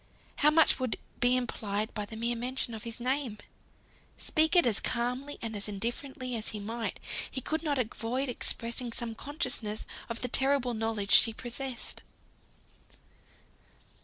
How much would be implied by the mere mention of his name! Speak it as calmly, and as indifferently as he might, he could not avoid expressing some consciousness of the terrible knowledge she possessed.